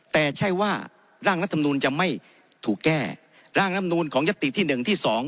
แต่ใช่ว่าร่างรัฐมนูลจะไม่ถูกแก้ร่างลำนูลของยัตติที่๑ที่๒